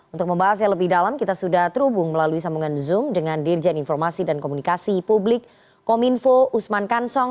untuk membahas yang lebih dalam kita sudah terhubung melalui sambungan zoom dengan dirjen informasi dan komunikasi publik kominfo usman kansong